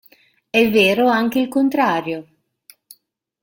È vero anche il contrario.